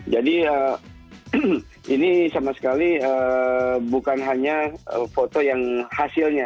jadi ini sama sekali bukan hanya foto yang hasilnya